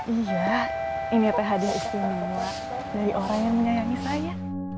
iya ini apa hadiah istimewa dari orang yang menyayangi saya